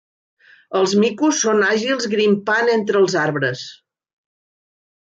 Els micos són àgils grimpant entre els arbres.